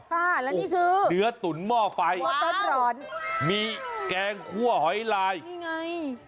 ค่ะแล้วนี่คือเนื้อตุ๋นหม้อไฟสดร้อนร้อนมีแกงคั่วหอยลายนี่ไง